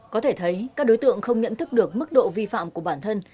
có thể thấy các đối tượng không nhận thức được mức độ vi phạm của bản thân